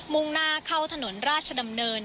่งหน้าเข้าถนนราชดำเนิน